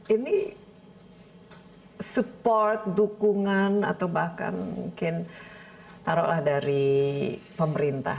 ini support dukungan atau bahkan mungkin taruhlah dari pemerintah